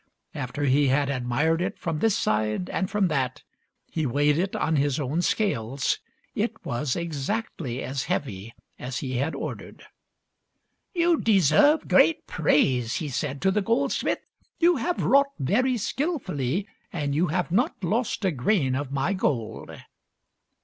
After he had admired it from this 29 30 THIRTY MORE FAMOUS STORIES side and from that, he weighed it on his own scales. It was exactly as heavy as he had ordered. " You deserve great praise," he said to the gold smith. " You have wrought very skillfully and you have not lost a grain of my gold."